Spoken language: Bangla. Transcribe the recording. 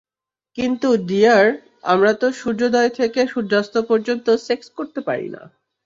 কিন্তু, ডিয়ার, আমরা তো সূর্যোদয় থেকে সূর্যাস্ত পর্যন্ত সেক্স করতে পারি না।